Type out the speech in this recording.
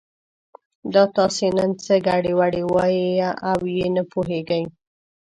دا تاسې نن څه ګډې وډې وایئ او یې نه پوهېږي.